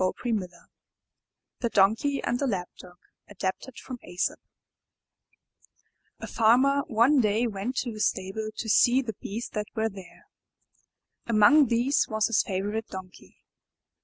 no IN THE NURSERY THE DONKEY AND THE LAP DOG Adapted from Aesop A Farmer one day went to his stable to see the beasts that were there. Among these was his favorite Donkey.